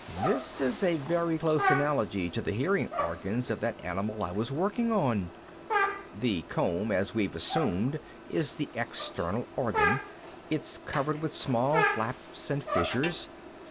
"This is a very close analogy to the hearing organs of that animal I was working on. The comb, as we've assumed, is the external organ. It's covered with small flaps and fissures.